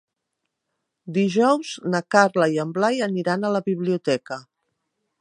Dijous na Carla i en Blai aniran a la biblioteca.